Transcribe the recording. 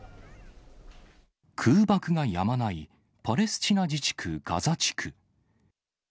空爆がやまないパレスチナ自治区ガザ地区。